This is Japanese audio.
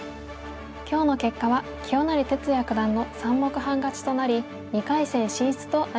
今日の結果は清成哲也九段の３目半勝ちとなり２回戦進出となりました。